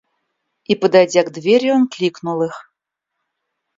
И, подойдя к двери, он кликнул их.